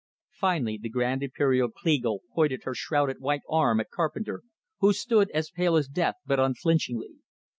Finally the Grand Imperial Kleagle pointed her shrouded white arm at Carpenter, who stood, as pale as death, but unflinchingly.